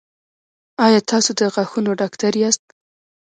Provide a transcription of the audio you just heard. ایا تاسو د غاښونو ډاکټر یاست؟